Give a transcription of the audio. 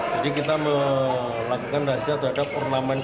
jadi kita melakukan rahasia terhadap ornamen ornamen